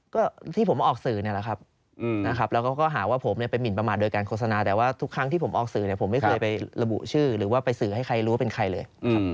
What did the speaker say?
ก็ที่ผมออกสื่อเนี่ยแหละครับนะครับแล้วก็หาว่าผมไปหมินประมาทโดยการโฆษณาแต่ว่าทุกครั้งที่ผมออกสื่อเนี่ยผมไม่เคยไประบุชื่อหรือว่าไปสื่อให้ใครรู้ว่าเป็นใครเลย